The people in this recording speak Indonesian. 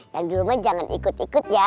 yang dirumah jangan ikut ikut ya